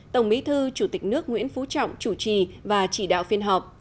tổng bí thư chủ tịch nước nguyễn phú trọng chủ trì và chỉ đạo phiên họp